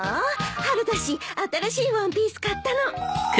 春だし新しいワンピース買ったの。